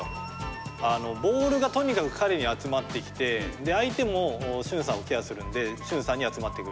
ボールがとにかく彼に集まってきて相手も俊さんをケアするんで俊さんに集まってくる。